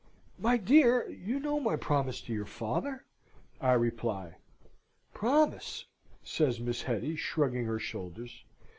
"My dear, you know my promise to your father?" I reply. "Promise!" says Miss Hetty, shrugging her shoulders.